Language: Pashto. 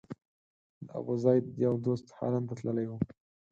د ابوزید یو دوست هالند ته تللی و.